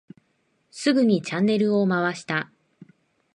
すぐにチャンネルを回した。